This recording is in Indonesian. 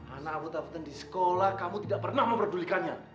anak abu abu ten di sekolah kamu tidak pernah memperdulikannya